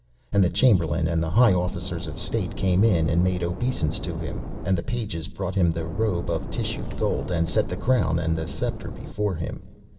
And the Chamberlain and the high officers of State came in and made obeisance to him, and the pages brought him the robe of tissued gold, and set the crown and the sceptre before him.